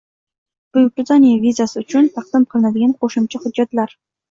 Buyuk Britaniya vizasi uchun taqdim qilinadigan qo‘shimcha hujjatlar.